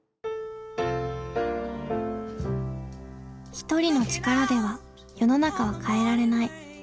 「１人の力では世の中は変えられない」。